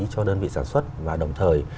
cho đơn vị sản xuất và đồng thời